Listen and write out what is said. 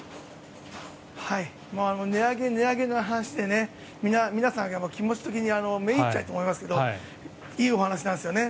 値上げ、値上げの話で皆さんが気持ち的に滅入っちゃうと思いますがいいお話なんですね。